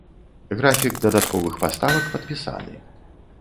Графік дадатковых паставак падпісаны.